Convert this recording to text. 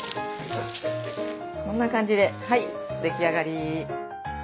こんな感じではい出来上がり。